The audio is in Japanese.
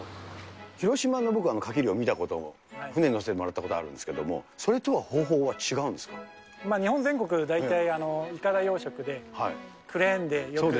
広島の、僕はカキ漁を見たことも、船に乗せてもらったこともあるんですけども、それとは方法は違う日本全国、大体いかだ養殖で、クレーンでよく見る。